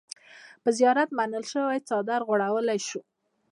په زيارت منلے شوے څادر اوغوړولے شو۔